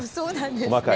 細かい。